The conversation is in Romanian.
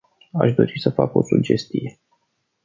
Aș dori să fac o sugestie.